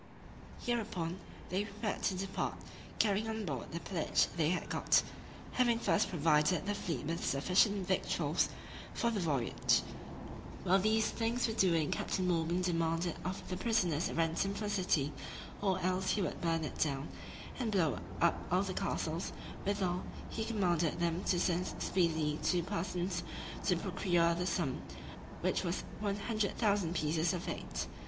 Hereupon, they prepared to depart, carrying on board all the pillage they had got, having first provided the fleet with sufficient victuals for the voyage. While these things were doing Captain Morgan demanded of the prisoners a ransom for the city, or else he would burn it down, and blow up all the castles; withal, he commanded them to send speedily two persons, to procure the sum, which was 100,000 pieces of eight.